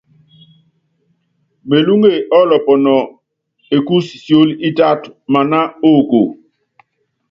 Melúŋe ɔ́lɔpɔnɔ ékúsi siólí ítátɔ́ maná oko.